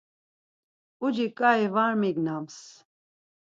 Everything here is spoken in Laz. Ucik ǩai var mignams.